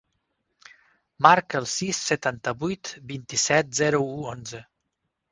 Marca el sis, setanta-vuit, vint-i-set, zero, u, onze.